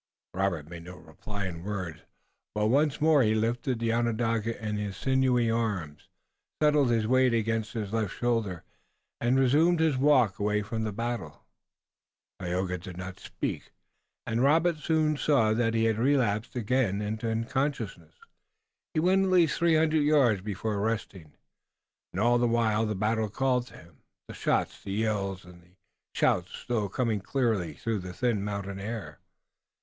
Robert made no reply in words, but once more he lifted the Onondaga in his sinewy arms, settled his weight against his left shoulder and resumed his walk away from the battle. Tayoga did not speak, and Robert soon saw that he had relapsed again into unconsciousness. He went at least three hundred yards before resting, and all the while the battle called to him, the shots, the yells and the shouts still coming clearly through the thin mountain air.